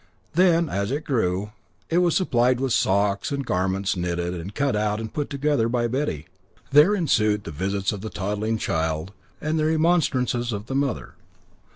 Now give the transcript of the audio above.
Then, as it grew, it was supplied with socks and garments knitted and cut out and put together by Betty; there ensued the visits of the toddling child, and the remonstrances of the mother.